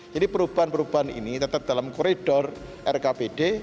jadi perubahan perubahan ini tetap dalam koridor rkpd